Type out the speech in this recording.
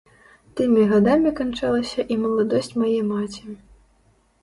Тымі гадамі канчалася і маладосць мае маці.